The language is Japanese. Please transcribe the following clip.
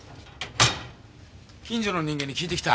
近所の人間に聞いてきた。